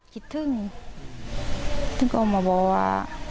คิดถึงถึงก็ออกมาบอกว่า